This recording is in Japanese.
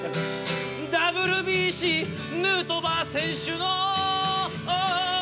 ＷＢＣ ヌートバー選手の